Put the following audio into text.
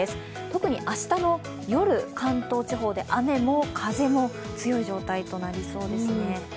特に明日の夜、関東地方で雨も風も強い状態となりそうですね。